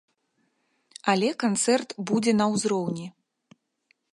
Але канцэрт будзе на ўзроўні.